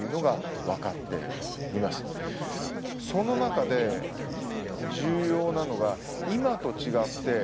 その中で重要なのが今と違って何でしょうね